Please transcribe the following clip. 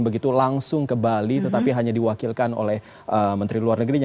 begitu langsung ke bali tetapi hanya diwakilkan oleh menteri luar negerinya